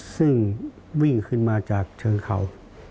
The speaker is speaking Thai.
ซึ่งวิ่งขึ้นมาจากเชิงเขา